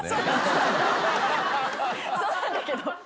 そうなんだけど。